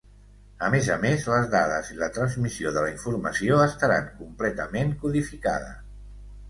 A més a més, les dades i la transmissió de la informació estaran completament codificada.